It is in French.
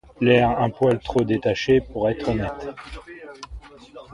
L’air un poil trop détaché pour être honnête.